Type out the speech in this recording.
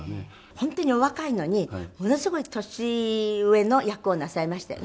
本当にお若いのにものすごい年上の役をなさいましたよね。